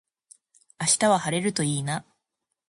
明日は晴れるといいな。